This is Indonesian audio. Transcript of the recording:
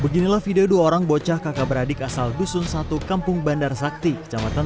beginilah video dua orang bocah kakak beradik asal dusun satu kampung bandar sakti kecamatan